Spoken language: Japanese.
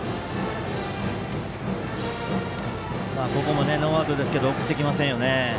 ここもノーアウトですけど送ってきませんよね。